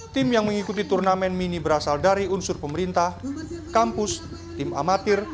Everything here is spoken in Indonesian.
tim yang mengikuti turnamen mini berasal dari unsur pemerintah kampus tim amatir